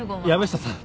藪下さん。